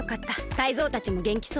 タイゾウたちもげんきそうだ。